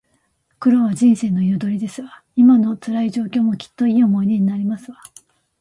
苦労は人生の彩りですわ。今の辛い状況も、きっといい思い出になりますわ